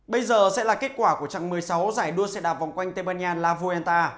bây giờ sẽ là kết quả của trạng một mươi sáu giải đua xe đạp vòng quanh tây ban nha la volenta